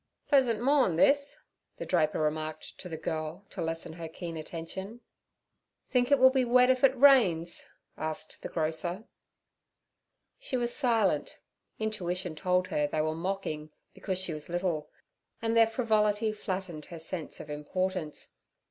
'Pleasant morn' this' the draper remarked to the girl to lessen her keen attention. 'Think it will be wet if it rains?' asked the grocer. She was silent; intuition told her they were mocking because she was little, and their frivolity flattened her sense of importance.